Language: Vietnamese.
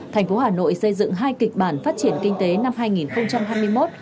thành phố hà nội xây dựng hai kịch bản phát triển kinh tế năm hai nghìn hai mươi một